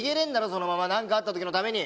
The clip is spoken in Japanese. そのまま何かあったときのために。